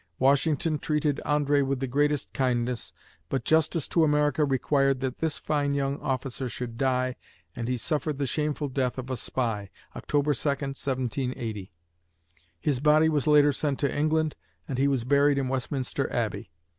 Washington treated André with the greatest kindness, but justice to America required that this fine young officer should die and he suffered the shameful death of a spy (October 2, 1780). His body was later sent to England and he was buried in Westminster Abbey.